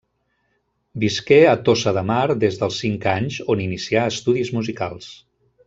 Visqué a Tossa de Mar des dels cinc anys, on inicià estudis musicals.